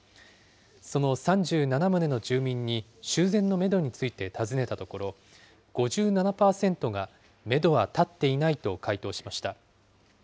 その３７棟の住民に修繕のメドについて尋ねたところ、５７％がメドは立っていないと回答しました。